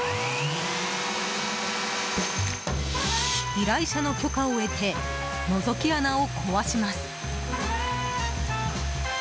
依頼者の許可を得てのぞき穴を壊します。